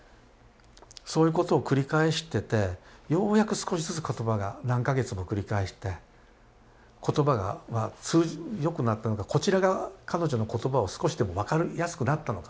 そういうことを繰り返しててようやく少しずつ言葉が何か月も繰り返して言葉がよくなったのかこちらが彼女の言葉を少しでも分かりやすくなったのかな。